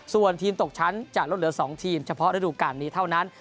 ส่วนทีมตกชั้นจะลดเหลือ๒ทีมเฉพาะฤดูการนี้เท่านั้น